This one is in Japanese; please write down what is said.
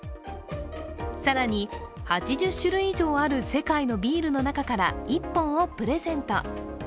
更に、８０種類以上ある世界のビールの中から１本をプレゼント。